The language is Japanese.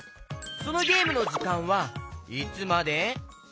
そのゲームのじかんはいつまで？